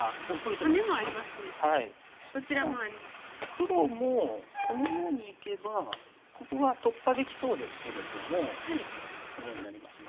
じゃあ黒もこのようにいけばここが突破できそうですけれどもこのようになりますが。